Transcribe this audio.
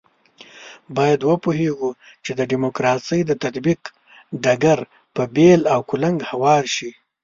باید وپوهېږو چې د ډیموکراسۍ د تطبیق ډګر په بېل او کلنګ هوار شي.